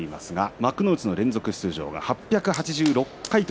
幕内連続出場は８８６回。